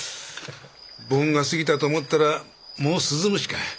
盆が過ぎたと思ったらもう鈴虫かい。